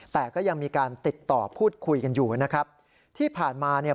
แต่ก็ยังมีการติดต่อพูดคุยกันอยู่นะครับที่ผ่านมาเนี่ย